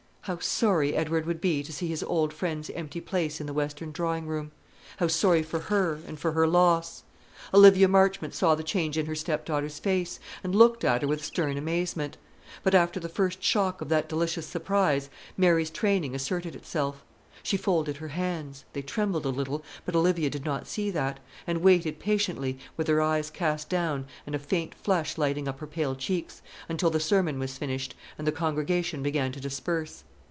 How sorry Edward would be to see his old friend's empty place in the western drawing room; how sorry for her, and for her loss! Olivia Marchmont saw the change in her stepdaughter's face, and looked at her with stern amazement. But, after the first shock of that delicious surprise, Mary's training asserted itself. She folded her hands, they trembled a little, but Olivia did not see that, and waited patiently, with her eyes cast down and a faint flush lighting up her pale cheeks, until the sermon was finished, and the congregation began to disperse.